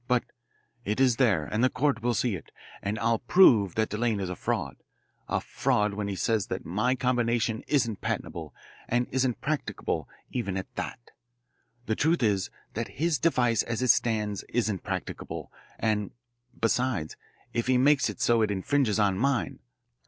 But it is there, and the court will see it, and I'll prove that Delanne is a fraud a fraud when he says that my combination isn't patentable and isn't practicable even at that. The truth is that his device as it stands isn't practicable, and, besides, if he makes it so it infringes on mine.